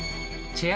チェア